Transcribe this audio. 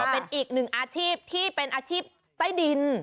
เป็นอีกหนึ่งอาชีพที่เป็นอาชีพใต้ดิน